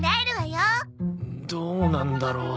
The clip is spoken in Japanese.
どうなんだろう。